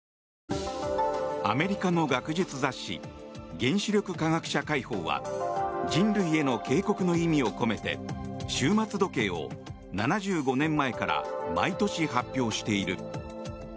アメリカの学術雑誌「原子力科学者会報」は人類への警告の意味を込めて終末時計を７５年前から毎年、発表している。